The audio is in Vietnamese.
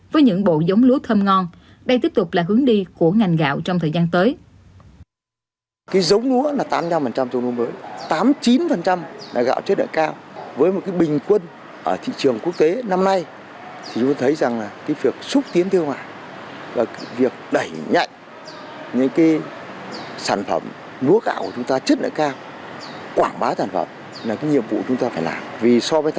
với những bộ giống lúa thơm ngon đây tiếp tục là hướng đi của ngành gạo trong thời gian tới